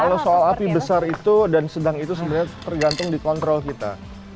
kalau soal api besar itu dan sedang itu sebenarnya tergantung dikontrol kita